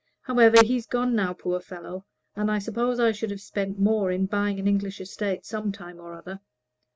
However, he's gone now, poor fellow; and I suppose I should have spent more in buying an English estate some time or other.